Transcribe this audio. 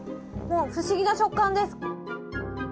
不思議な食感です。